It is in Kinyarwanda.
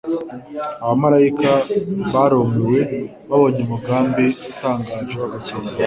Abamalayika barumiwe babonye umugambi utangaje w'agakiza,